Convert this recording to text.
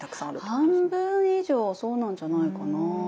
半分以上そうなんじゃないかなぁ。